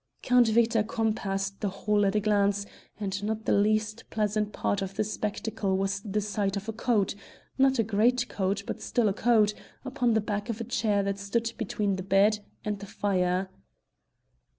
Count Victor compassed the whole at a glance, and not the least pleasant part of the spectacle was the sight of a coat not a greatcoat, but still a coat upon the back of a chair that stood between the bed and the fire.